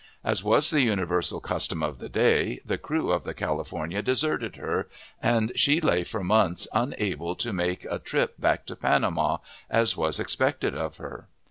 As was the universal custom of the day, the crew of the California deserted her; and she lay for months unable to make a trip back to Panama, as was expected of her.